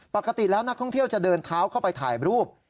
ปกติแล้วนักท่องเที่ยวจะเดินเท้าเข้าไปถ่ายรูป